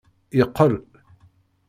Yeqqel.